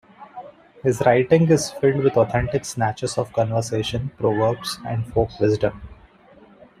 His writing is filled with authentic snatches of conversation, proverbs, and folk wisdom.